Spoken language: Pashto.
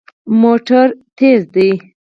موټر ګړندی دی